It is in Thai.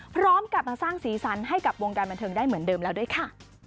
พร้อมกลับมาสร้างสีสันให้กับวงการบันเทิงได้เหมือนเดิมแล้วด้วยค่ะ